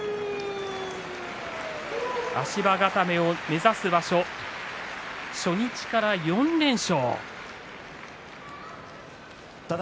足場固めを目指す場所初日から４連勝。